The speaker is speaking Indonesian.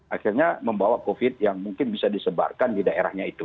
akhirnya membawa covid yang mungkin bisa disebarkan di daerahnya itu